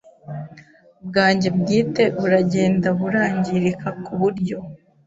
bwanjye bwite buragenda burangirika ku buryo